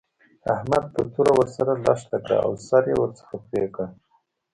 احمد په توره ور سره لښته کړه او سر يې ورڅخه پرې کړ.